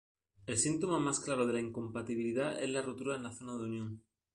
El síntoma más claro de incompatibilidad es la rotura en la zona de unión.